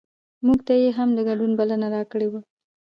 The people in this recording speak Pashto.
مونږ ته یې هم د ګډون بلنه راکړې وه.